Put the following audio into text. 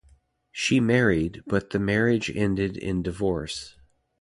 She married but the marriage ended in divorce.